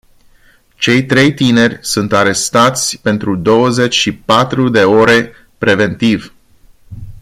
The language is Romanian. Cei trei tineri sunt arestați pentru douăzeci și patru de ore preventiv.